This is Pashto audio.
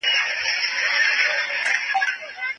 ټولنپوه وویل چې ټولنه بدلون غواړي.